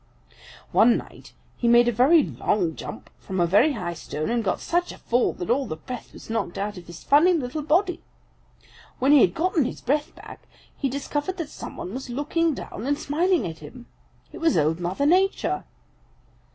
"One night he made a very long jump from a very high stone and got such a fall that all the breath was knocked out of his funny little body. When he had gotten his breath back he discovered that some one was looking down and smiling at him. It was Old Mother Nature.